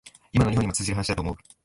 今の日本にも通じる話だと思う